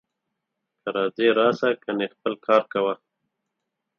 که راځې راسه، کنې خپل کار کوه